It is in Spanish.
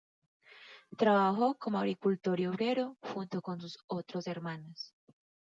Trabajó como agricultor y obrero, junto con sus otros hermanos.